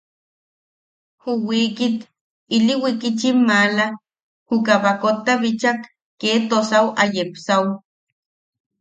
Ju wiikit, ili wikitchim maala, juka baakotta bichak kee tosau a yepsaʼu.